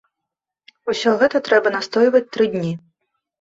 Усё гэта трэба настойваць тры дні.